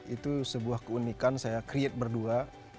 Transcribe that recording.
itu sebuah keunikan saya create berdua